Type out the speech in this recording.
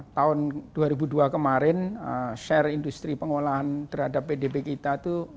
tahun dua ribu dua kemarin share industri pengolahan terhadap pdb kita itu